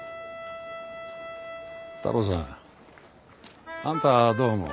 太郎さんあんたはどう思う？